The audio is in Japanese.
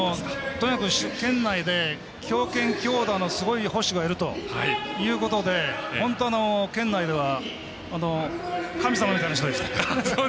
とにかく県内で強肩強打のすごい捕手がいるということで本当、県内では神様みたいな人でした。